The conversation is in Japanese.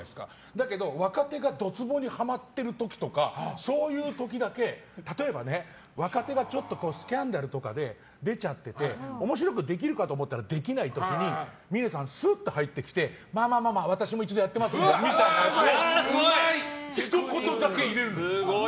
だけど若手がどつぼにはまってる時とかそういう時だけ例えば、若手がスキャンダルとかで出ちゃって面白くできるかと思ったらできない時に、峰さんがスーッと入ってきてまあまあ私も一度やってますってひと言だけ入れるの。